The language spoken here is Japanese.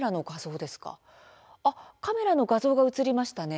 カメラの画像が映りました。